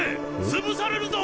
潰されるぞ！